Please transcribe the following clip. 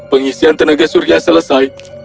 pengisian tenaga surya selesai